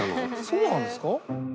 そうなんですか？